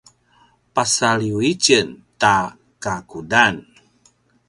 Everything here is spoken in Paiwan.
pasaliw i tjen ta kakudanan